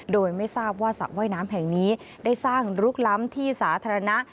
โดยไม่ทราบว่าสระว่ายน้ำแห่งนี้ได้สร้างลุกล้ำที่สาธารณะ